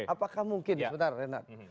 apakah mungkin sebentar renat